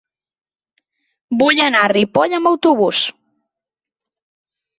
Vull anar a Ripoll amb autobús.